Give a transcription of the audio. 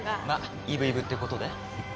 まっイブイブってことで。